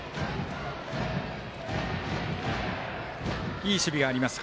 いい守備がありました